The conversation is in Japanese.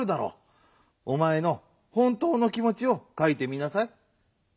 おまえのほんとうの気もちをかいてみなさい。